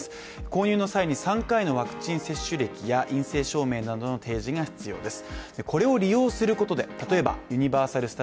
購入の際に３回のワクチン接種歴や陰性証明などの提示が必要です。